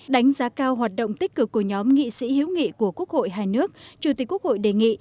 đánh giá cao hoạt động tích cực của nhóm nghị sĩ hữu nghị của quốc hội hai nước chủ tịch quốc hội đề nghị